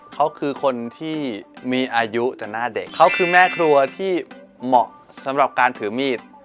เขาคือคนที่มีอายุต่อหน้าเด็กเขาคือแม่ครัวที่เหมาะสำหรับการถือมีด